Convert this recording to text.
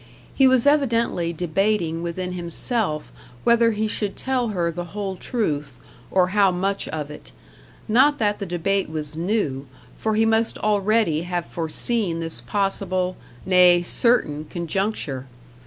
He was evidently debating within himself whether he should tell her the whole truth, or how much of it. Not that the debate was new, for he must already have foreseen this possible, nay, certain, conjuncture.